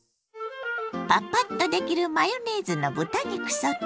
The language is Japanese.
パパッとできるマヨネーズの豚肉ソテー。